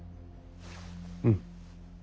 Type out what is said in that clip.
うん。